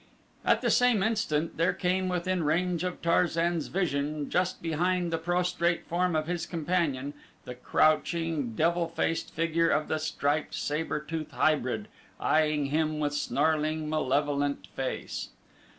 At the same instant there came within range of Tarzan's vision, just behind the prostrate form of his companion, the crouching, devil faced figure of the striped saber tooth hybrid, eyeing him with snarling, malevolent face.